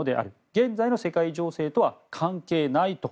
現在の世界情勢とは関係ないと。